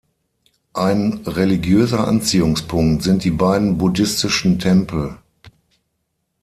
Ein religiöser Anziehungspunkt sind die beiden buddhistischen Tempel.